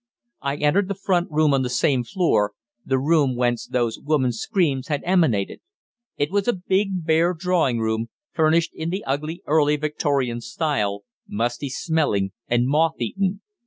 I entered the front room on the same floor, the room whence those woman's screams had emanated. It was a big bare drawing room, furnished in the ugly Early Victorian style, musty smelling and moth eaten.